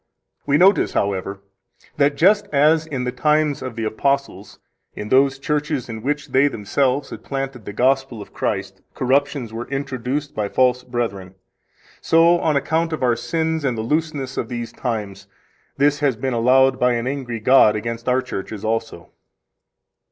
We notice, however, that, just as in the times of the Apostles, into those churches in which they themselves had planted the Gospel of Christ corruptions were introduced by false brethren, so, on account of our sins and the looseness of these times, this has been allowed by an angry God against our churches also.